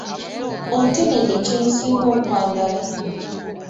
Ontonedde kye nsinga okwagala.